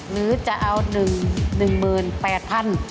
หรือจะเอา๑หมื่น๘พัน